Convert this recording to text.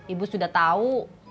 ibu sudah tau